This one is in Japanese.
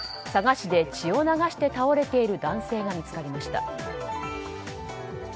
探しで血を流して倒れている男性が見つかりました。